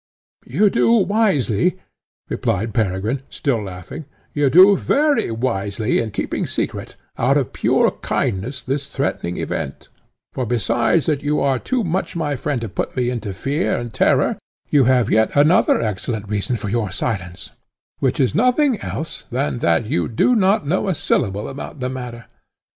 "You do wisely," replied Peregrine, still laughing, "you do very wisely in keeping secret, out of pure kindness, this threatening event; for besides that you are too much my friend to put me into fear and terror, you have yet another excellent reason for your silence, which is nothing else than that you do not know a syllable about the matter.